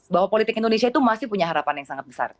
bahwa politik indonesia itu masih punya harapan yang sangat besar